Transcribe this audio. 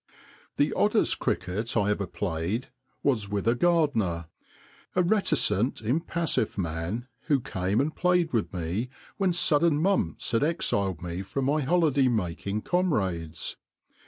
The oddest cricket I ever played was with a gardener, a reticent, impassive man, who came and played with me when sudden mumps had exiled me from my holiday making comrades.